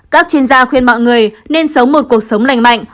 các chuyên gia khuyên mọi người nên sống một cuộc sống lành mạnh